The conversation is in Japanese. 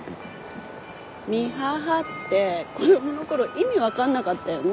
「御母」って子供の頃意味分かんなかったよね。